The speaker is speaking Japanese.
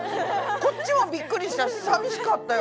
こっちもびっくりしちゃってさみしかったよ。